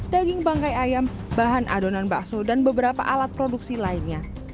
daging bangkai ayam bahan adonan bakso dan beberapa alat produksi lainnya